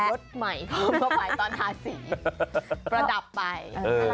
อื้ออื้อดีตัว